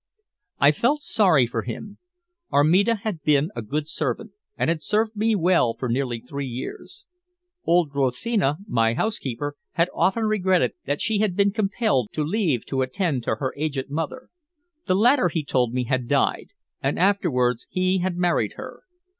I felt sorry for him. Armida had been a good servant, and had served me well for nearly three years. Old Rosina, my housekeeper, had often regretted that she had been compelled to leave to attend to her aged mother. The latter, he told me, had died, and afterwards he had married her.